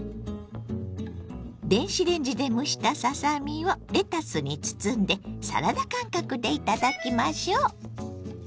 電子レンジで蒸したささ身をレタスに包んでサラダ感覚で頂きましょ。